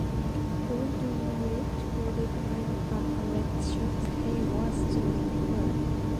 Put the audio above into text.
"Wouldn't you know it, Woody pinned up a red shirt," Hays was to remember.